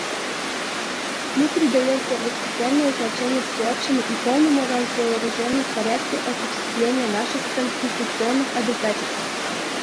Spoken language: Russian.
Мы придаем первостепенное значение всеобщему и полному разоружению в порядке осуществления наших конституционных обязательств.